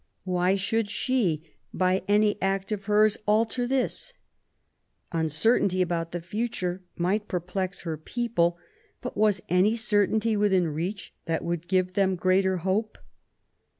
Why should she, by any act of hers, alter this ? Uncertainty about the future might perplex her people; but was any certainty within reach which would give them greater hope